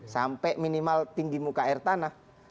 sampai minimal tinggi muka air tanah